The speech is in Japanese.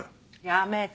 やめて。